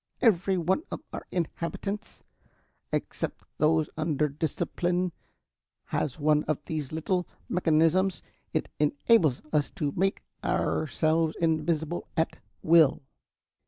"Every one of our inhabitants, except those under discipline, has one of these little mechanisms. It enables us to make ourselves invisible at will.